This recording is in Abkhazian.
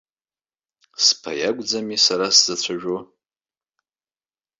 Сԥа иакәӡами сара сзацәажәо?